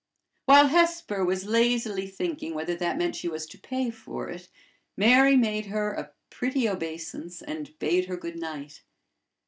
While Hesper was lazily thinking whether that meant she was to pay for it, Mary made her a pretty obeisance, and bade her good night.